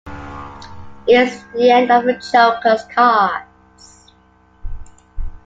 It's the end of the Joker's Cards.